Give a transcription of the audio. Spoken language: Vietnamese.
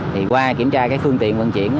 thì qua kiểm tra cái phương tiện vận chuyển